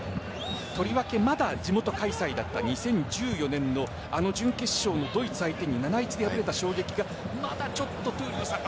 とりわけまだ地元開催だった２０１４年のあの準決勝のドイツ相手に７対１で敗れた衝撃がまだちょっと闘莉王さん